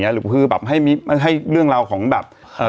หรือแบบให้เรื่องเราของใช่ไหม